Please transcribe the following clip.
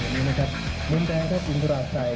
นี่นะครับมุมแดงแท็กอินทราชัย